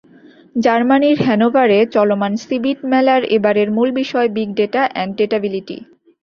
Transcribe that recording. জার্মানির হ্যানোভারে চলমান সিবিট মেলার এবারের মূল বিষয় বিগ ডেটা অ্যান্ড ডেটাবিলিটি।